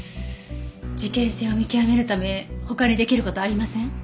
事件性を見極めるため他に出来る事ありません？